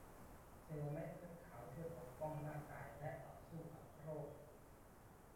เซลล์เม็ดเลือดขาวช่วยปกป้องร่างกายแและต่อสู้กับโรค